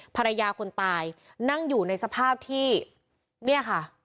ภรรยาคนตายนั่งอยู่ในสภาพที่เนี่ยค่ะ